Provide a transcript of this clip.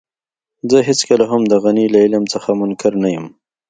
زه هېڅکله هم د غني له علم څخه منکر نه يم.